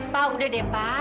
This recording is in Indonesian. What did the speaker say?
pak udah deh pak